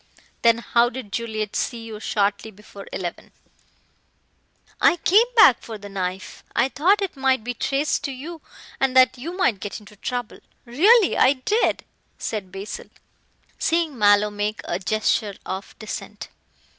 "Then how did Juliet see you shortly before eleven?" "I came back for the knife. I thought it might be traced to you and that you might get into trouble. Really I did," said Basil, seeing Mallow make a gesture of dissent.